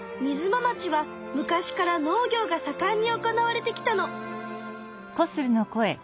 ま町は昔から農業がさかんに行われてきたの。